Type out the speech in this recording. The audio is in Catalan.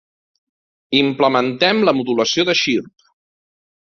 Implementem la modulació de xirp.